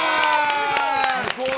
すごい！